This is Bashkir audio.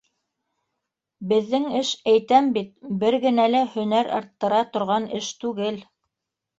Беҙҙең эш, әйтәм бит, бер генә лә һөнәр арттыра торған эш түгел.